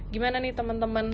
gimana nih temen temen